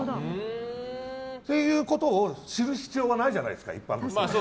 ということを知る必要がないじゃないですか、一般の人は。